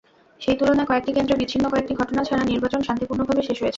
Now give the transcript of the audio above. সেই তুলনায় কয়েকটি কেন্দ্রে বিচ্ছিন্ন কয়েকটি ঘটনা ছাড়া নির্বাচন শান্তিপূর্ণভাবে শেষ হয়েছে।